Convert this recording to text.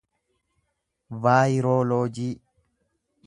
vaayirooloojii